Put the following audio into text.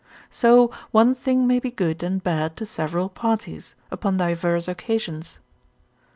So one thing may be good and bad to several parties, upon diverse occasions.